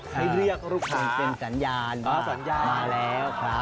ใครเรียกลูกค้ามาแล้วครับสัญญาณมาแล้วครับ